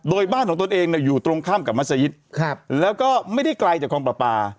โดยบ้านของตนเองอยู่ตรงข้ามกับมัศยิตแล้วก็ไม่ได้ไกลจากกองปราปา